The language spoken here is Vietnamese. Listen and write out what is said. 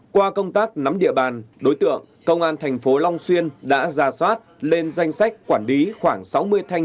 qua công tác nắm địa bàn đối tượng công an thành phố long xuyên đã ra soát lên danh sách quản lý khoảng sáu mươi thanh